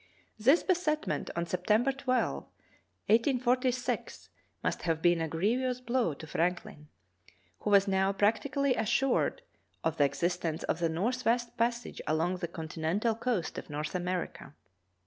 This besetment, on September 12, 1846, must have been a grievous blow to Franklin, who was now practically as sured of the existence of the northwest passage along the continental coast of North America.